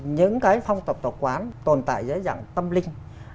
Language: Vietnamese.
những cái phong tộc tộc quán tồn tại dưới dạng tâm linh